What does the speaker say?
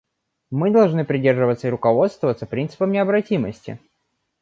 Мы должны придерживаться и руководствоваться принципом необратимости.